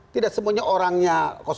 tidak semuanya orangnya satu